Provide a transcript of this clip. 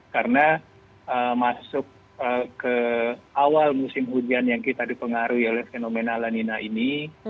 karena masuk ke awal musim hujan yang kita dipengaruhi oleh fenomena al anina ini